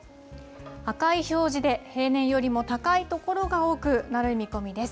赤い表示で、平年よりも高い所が多くなる見込みです。